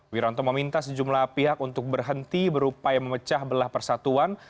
wiranto meminta sejumlah pihak untuk berhenti berupaya memecah belah persatuan